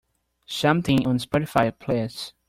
something on Spotify please